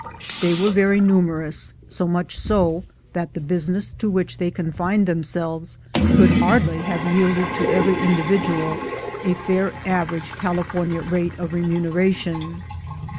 They were very numerous — so much so, that the business to which they confined themselves could hardly have yielded to every individual a fair average California rate of remuneration.